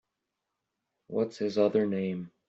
What’s his other name?